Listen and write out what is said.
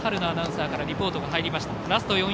アナウンサーからリポートが入りました。